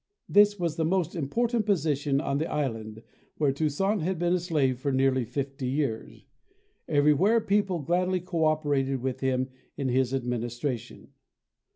This was the most im portant position on the island where Toussaint had been a slave for nearly fifty years. Every where people gladly co operated with him in his administration.